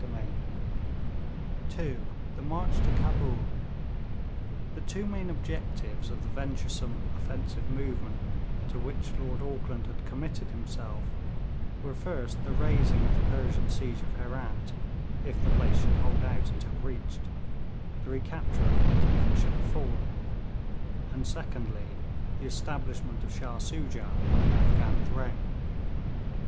CHAPTER II: THE MARCH TO CABUL The two main objects of the venturesome offensive movement to which Lord Auckland had committed himself were, first, the raising of the Persian siege of Herat if the place should hold out until reached the recapture of it if it should have fallen; and, secondly, the establishment of Shah Soojah on the Afghan throne.